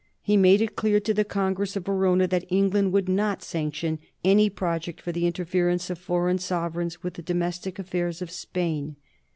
He made it clear to the Congress of Verona that England would not sanction any project for the interference of foreign sovereigns with the domestic affairs of Spain.